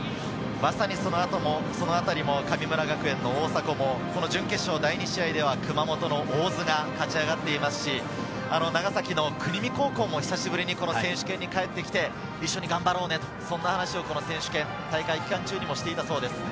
そのあたりも神村学園の大迫も準決勝第２試合では熊本の大津が勝ち上がっていますし、長崎の国見高校も久しぶりに選手権に帰ってきて、一緒に頑張ろうねという話を大会期間中にもしていたそうです。